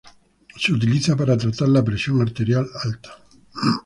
Se utiliza para tratar la presión arterial alta.